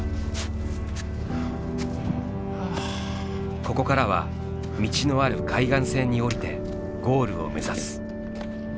ここからは道のある海岸線に下りてゴールを目指す。